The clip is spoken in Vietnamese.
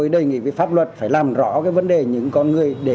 để người dân nâng cao